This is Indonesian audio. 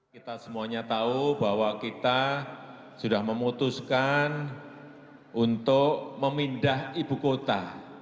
kita semuanya tahu bahwa kita sudah memutuskan untuk memindah ibu kota